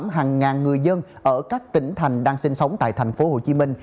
hàng ngàn người dân ở các tỉnh thành đang sinh sống tại thành phố hồ chí minh